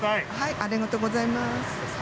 ありがとうございます。